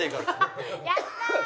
やったー！